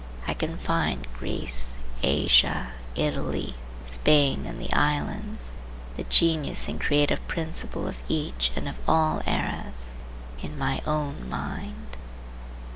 I can find Greece, Asia, Italy, Spain and the Islands,—the genius and creative principle of each and of all eras, in my own mind.